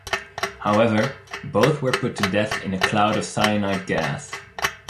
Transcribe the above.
However, both were put to death in a cloud of cyanide gas.